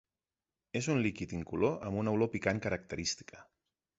És un líquid incolor amb una olor picant característica.